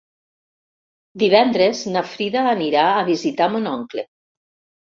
Divendres na Frida anirà a visitar mon oncle.